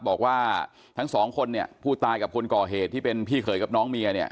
บอกว่าทั้ง๒คนผู้ตายกับคนก่อเหตุที่เป็นพี่เคยกับน้องเมีย